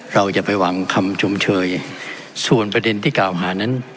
เราจะไปหวังคำชมเชยส่วนประเด็นที่กล่าวหานั้น